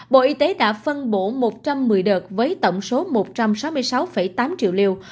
bộ y tế đã phân bổ một trăm một mươi đợt với tổng số một trăm sáu mươi sáu tám triệu liều